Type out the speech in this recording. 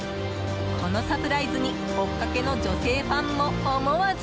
このサプライズに追っかけの女性ファンも思わず。